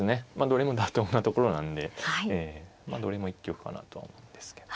どれも妥当なところなんでどれも一局かなとは思うんですけど。